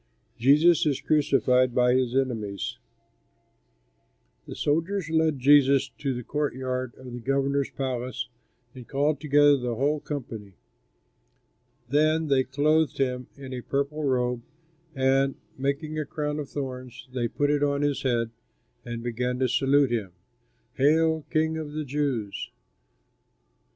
JESUS IS CRUCIFIED BY HIS ENEMIES The soldiers led Jesus to the courtyard of the governor's palace and called together the whole company. Then they clothed him in a purple robe and, making a crown of thorns, they put it on his head and began to salute him, "Hail, King of the Jews!"